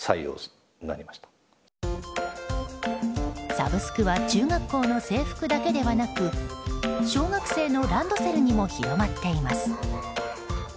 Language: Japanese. サブスクは中学校の制服だけではなく小学生のランドセルにも広まっています。